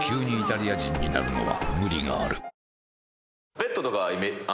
ベッドとか。